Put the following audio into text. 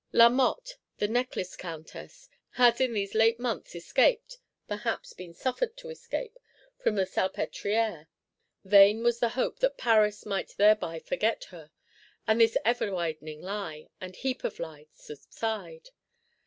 Lamotte, the Necklace Countess, has in these late months escaped, perhaps been suffered to escape, from the Salpêtrière. Vain was the hope that Paris might thereby forget her; and this ever widening lie, and heap of lies, subside.